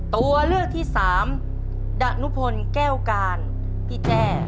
ตัวเลือกที่๒